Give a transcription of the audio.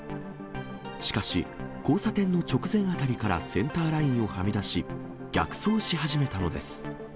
しかし、交差点の直前辺りからセンターラインをはみ出し、逆走し始めたのです。